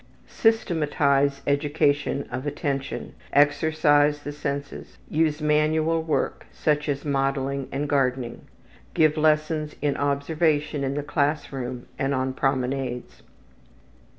Systematize education of attention, exercise the senses, use manual work, such as modeling and gardening. Give lessons in observation in the class room and on promenades.